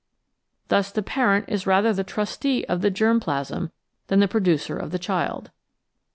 Thus the parent is rather the trustee of the germ plasm than the producer of the child.